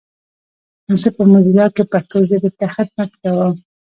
زه په موزیلا کې پښتو ژبې ته خدمت کوم.